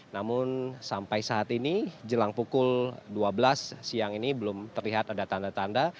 namun sampai saat ini jelang pukul dua belas siang ini belum terlihat ada tanda tanda